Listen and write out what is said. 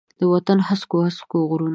د وطن د هسکو، هسکو غرونو،